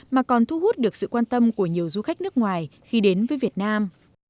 mà còn thu hút được sự quan tâm của nhiều du khách nước ngoài khi đến với việt nam